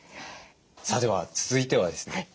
さあでは続いてはですね